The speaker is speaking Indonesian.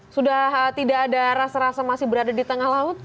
sudah tidak ada rasa rasa masih berada di tengah laut